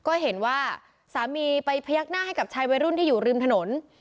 ก็เห็นว่าสามีไปพยักหน้าให้กับชายวัยรุ่นที่อยู่ริมถนน